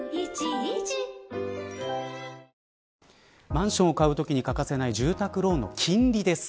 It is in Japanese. マンションを買うときに欠かせない住宅ローンの金利です。